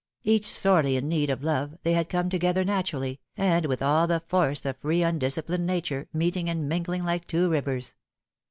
Each sorely in need of love, they had come together naturally, and with all the force of free undisciplined nature, meeting and mingling liko two rivers.